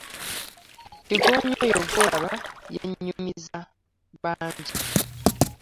Kigoonya oyo gw'olaba yannyumiza bangi.